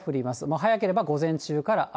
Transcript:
早ければ午前中から雨。